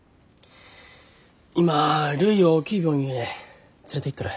今るいを大きい病院へ連れていっとる。